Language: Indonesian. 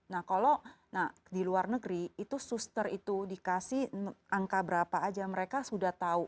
nah kalau nah di luar negeri itu suster itu dikasih angka berapa aja mereka sudah tahu